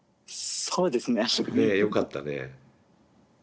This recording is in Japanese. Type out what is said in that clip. そうですねすごい。ねよかったね。